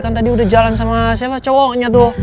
kan tadi udah jalan sama siapa cowoknya tuh